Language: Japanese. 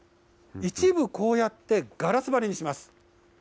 一部、こうやってガラス張りにします。